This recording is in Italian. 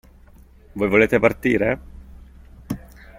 Voi volete partire?